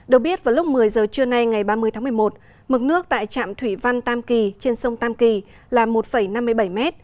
được biết vào lúc một mươi giờ trưa nay ngày ba mươi tháng một mươi một mực nước tại trạm thủy văn tam kỳ trên sông tam kỳ là một năm mươi bảy m